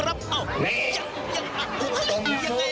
อย่าแม่ไปเลยอย่าแม่ไปเลยอย่าแม่ไปเลย